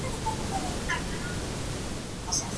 د تفسير پيژندنه.